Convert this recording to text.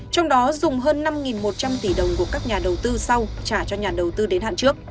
trong đó dùng hơn năm một trăm linh tỷ đồng của các nhà đầu tư sau trả cho nhà đầu tư đến hạn trước